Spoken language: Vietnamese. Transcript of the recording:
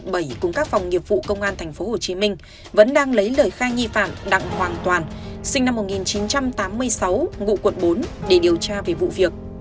công an quận bảy cùng các phòng nghiệp vụ công an tp hcm vẫn đang lấy lời khai nghi phản đặng hoàng toàn sinh năm một nghìn chín trăm tám mươi sáu ngụ quận bốn để điều tra về vụ việc